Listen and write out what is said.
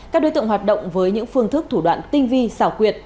các đối tượng hoạt động với những phương thức thủ đoạn tinh vi xảo quyệt